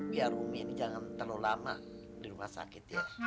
biar rumi ini jangan terlalu lama di rumah sakit ya